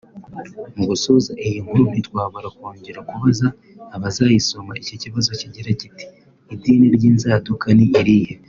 Mu gusoza iyi nkuru ntitwabura kongera kubaza abazayisoma ikibazo kigira kiti ‘Idini ry’inzaduka ni irihe